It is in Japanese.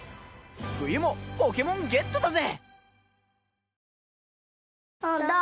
冬もポケモンゲットだぜ！